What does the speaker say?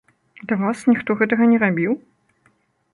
Да вас ніхто гэтага не рабіў?